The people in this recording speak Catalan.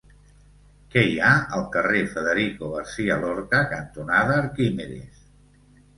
Què hi ha al carrer Federico García Lorca cantonada Arquímedes?